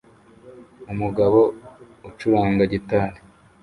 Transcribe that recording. Umugabo ucuranga gitari